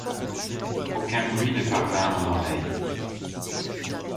Aucun bruit ne parvint à mon oreille.